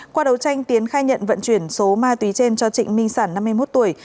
qua đấu tranh tiến khai nhận vận chuyển số ma túy trên cho trịnh minh sản năm mươi một tuổi